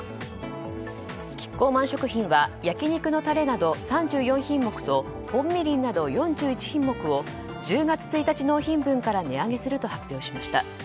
キッコーマン食品は焼き肉のたれなど３４品目と本みりんなど４１品目を１０月１日納品分から値上げすると発表しました。